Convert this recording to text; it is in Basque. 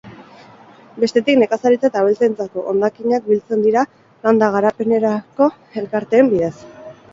Bestetik nekazaritza eta abeltzaintzako hondakinak biltzen dira landa garapenerako elkarteen bidez.